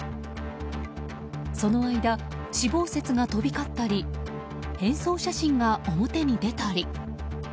その間、死亡説が飛び交ったり変装写真が表に出たり。